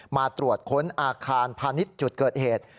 มาตรวจค้นอาคารพาณิชย์จุดเกิดเหตุ